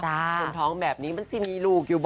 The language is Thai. คนท้องแบบนี้มันสิมีลูกอยู่บ่อย